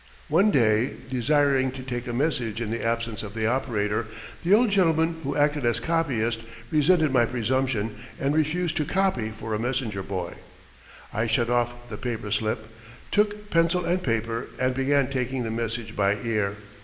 One day, desiring to take a message in the absence of the operator, the old gentleman who acted as copyist resented my presumption and refused to "copy" for a messenger boy. I shut off the paper slip, took pencil and paper and began taking the message by ear.